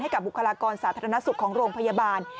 กับบุคลากรสาธารณสุขของโรงพยาบาล